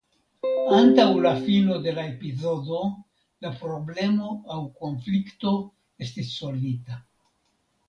Antaŭ la fino de la epizodo la problemo aŭ konflikto estis solvita.